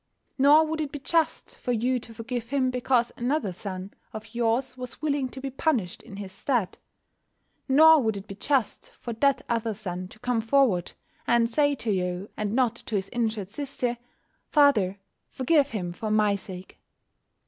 Nor would it be just for you to forgive him because another son of yours was willing to be punished in his stead. Nor would it be just for that other son to come forward, and say to you, and not to his injured sister, "Father, forgive him for my sake."